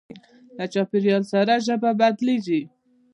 له چاپېریال سره ژبه بدلېږي.